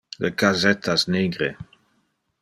Le casettas nigre.